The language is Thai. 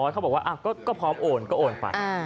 เขาบอกว่าก็พร้อมโอนก็โอนไป